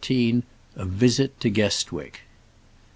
A VISIT TO GUESTWICK.